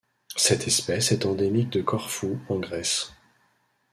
Cette espèce est endémique de Corfou en Grèce.